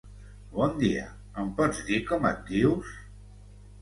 Bon dia, em pots dir com et dius?